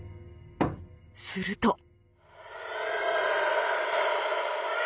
すると。